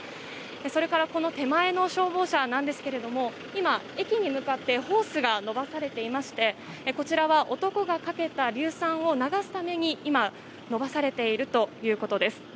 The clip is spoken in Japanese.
それからこの手前の消防車ですが今、駅に向かってホースが伸ばされていましてこちらは男がかけた硫酸を流すために今延ばされているということです。